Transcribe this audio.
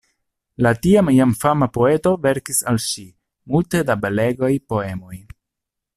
La tiam jam fama poeto verkis al ŝi multe da belegaj poemoj.